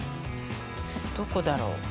どこだろう？